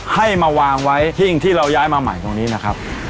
ไม่ได้มาวางไว้ที่เราย้ายมาใหม่ตรงนี้นะครับ